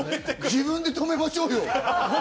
自分で止めましょうよ。